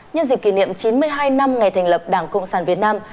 nhân dịp kỷ niệm chín mươi hai năm ngày thành lập đảng cộng sản việt nam